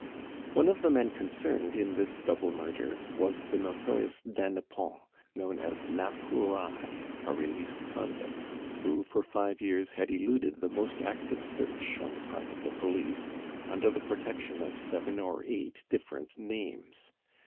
One of the men concerned in this double murder was the notorious Dannepont, known as la Pouraille, a released convict, who for five years had eluded the most active search on the part of the police, under the protection of seven or eight different names.